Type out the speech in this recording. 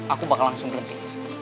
aku bakal langsung berhenti